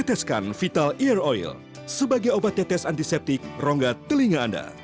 franky wijaya bandung